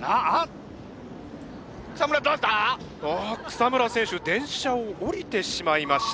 あっ草村選手電車を降りてしまいました。